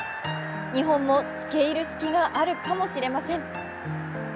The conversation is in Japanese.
日本も付け入る隙があるかもしれません。